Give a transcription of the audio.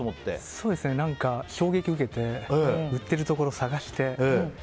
そうですね、衝撃を受けて売ってるところを探して。